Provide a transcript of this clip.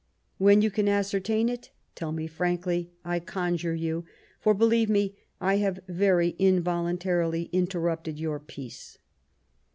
When you can ascertain it, tell me firankly, I conjure you ! for, believe me, I have very involuntarily interrupted your peace."